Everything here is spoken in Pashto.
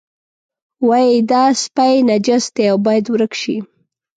وایي دا سپی نجس دی او باید ورک شي.